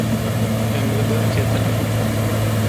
Em li ber ketine.